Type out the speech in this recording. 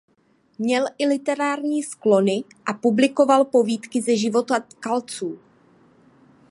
Měl i literární sklony a publikoval povídky ze života tkalců.